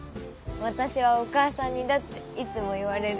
私はお母さん似だっていつも言われる。